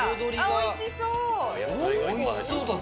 おいしそうだぞ。